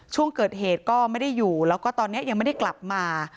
ช่วงเกิดเหตุก็ไม่ได้อยู่แล้วก็ตอนนี้ยังไม่ได้กลับมา